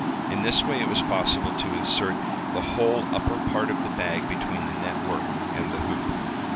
In this way it was possible to insert the whole upper part of the bag between the net work and the hoop.